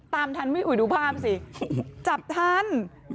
ตามทันไปดูป้ามจับทัน